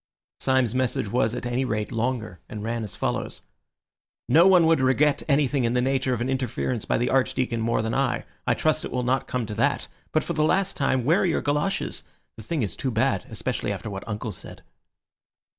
Syme's message was, at any rate, longer, and ran as follows:— "No one would regret anything in the nature of an interference by the Archdeacon more than I. I trust it will not come to that. But, for the last time, where are your goloshes? The thing is too bad, especially after what uncle said."